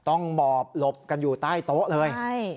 หมอบหลบกันอยู่ใต้โต๊ะเลย